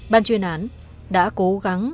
ban chuyên án đã cố gắng